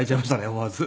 思わず。